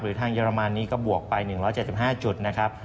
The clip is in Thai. ทางเยอรมันนี้ก็บวกไป๑๗๕จุดนะครับ